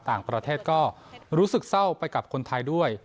ต่างประเทศก็รู้สึกเศร้าไปกับคนไทยด้วย